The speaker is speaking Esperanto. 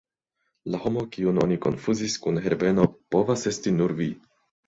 La homo, kiun oni konfuzis kun Herbeno povas esti nur vi.